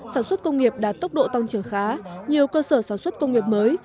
sản xuất công nghiệp đạt tốc độ tăng trưởng khá nhiều cơ sở sản xuất công nghiệp mới